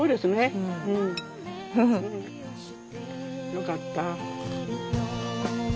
よかった。